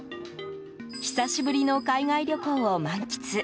久しぶりの海外旅行を満喫。